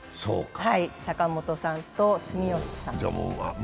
坂本さんと住吉さん。